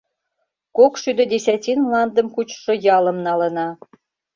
Кокшӱдӧ десятин мландым кучышо ялым налына.